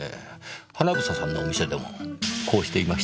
英さんのお店でもこうしていました。